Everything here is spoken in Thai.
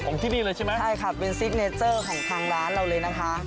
ที่นี่เลยใช่ไหมใช่ค่ะเป็นซิกเนเจอร์ของทางร้านเราเลยนะคะ